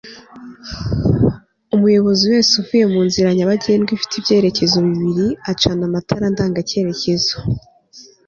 umuyobozi wese uvuye mu nzira nyabagendwa ifite ibyerekezo bibiri acana amatara ndangacyerekezo